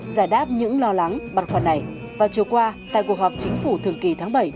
giải đáp những lo lắng băn khoăn này vào chiều qua tại cuộc họp chính phủ thường kỳ tháng bảy